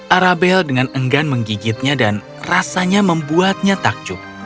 arabel dengan enggan menggigitnya dan rasanya membuatnya takjub